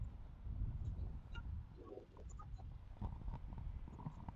Taifa ya Serengeti ndio hifadhi ya pili kwa ukubwa baada ya hifadhi ya Taifa